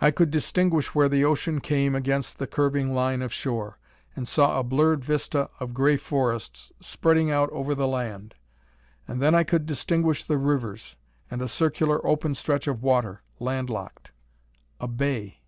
I could distinguish where the ocean came against the curving line of shore, and saw a blurred vista of gray forests spreading out over the land. And then I could distinguish the rivers, and a circular open stretch of water, landlocked. A bay!